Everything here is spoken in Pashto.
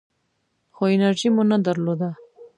خو انرژي مو نه درلوده .